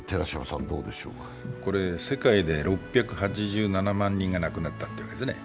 世界で６８７万人が亡くなったというんですね。